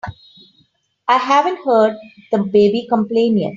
I haven't heard the baby complain yet.